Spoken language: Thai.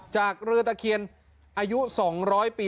จากเรือตะเคียนอายุ๒๐๐ปี